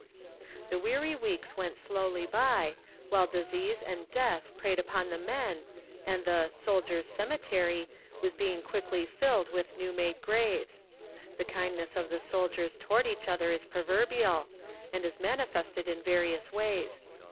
The weary weeks went slowly by, while disease and death preyed upon the men, and the "Soldiers' Cemetery" was being quickly filled with new made graves. The kindness of the soldiers toward each other is proverbial, and is manifested in various ways.